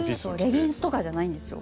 レギンスとかじゃないんですよ。